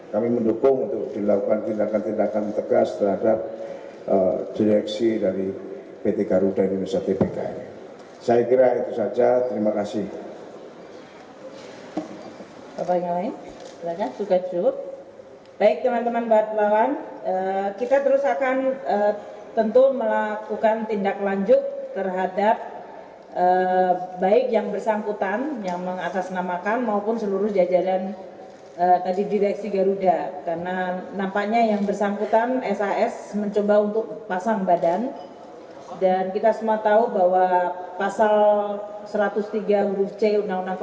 kami mendukung untuk dilakukan tindakan tindakan tegas terhadap direksi dari pt garuda universitas tbk